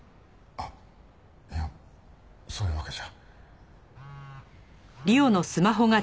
あっいやそういうわけじゃ。